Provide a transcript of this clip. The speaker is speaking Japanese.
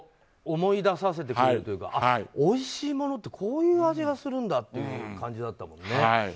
思い出させてくれるというかおいしいものってこういう味がするんだという感じだったもんね。